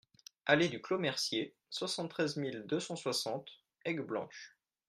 Allée du Clos Mercier, soixante-treize mille deux cent soixante Aigueblanche